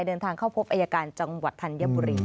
เดินทางเข้าพบอายการจังหวัดธัญบุรี